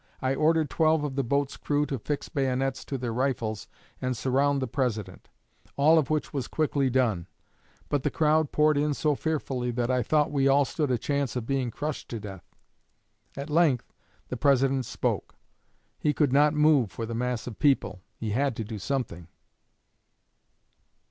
I ordered twelve of the boat's crew to fix bayonets to their rifles and surround the President, all of which was quickly done; but the crowd poured in so fearfully that I thought we all stood a chance of being crushed to death. At length the President spoke. He could not move for the mass of people he had to do something.